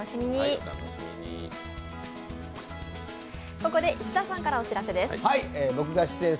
ここで石田さんからお知らせです。